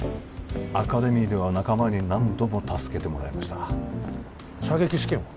アカデミーでは仲間に何度も助けてもらいました射撃試験は？